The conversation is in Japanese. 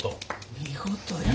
見事や。